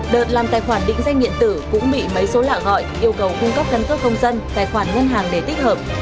đợt làm tài khoản định danh điện tử cũng bị mấy số lạ gọi yêu cầu cung cấp căn cước công dân tài khoản ngân hàng để tích hợp